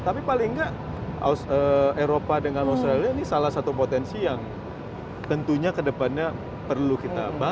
tapi paling nggak eropa dengan australia ini salah satu potensi yang tentunya kedepannya perlu kita bangun